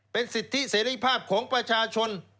เป็นสิทธิเสรีภาพของประชาชน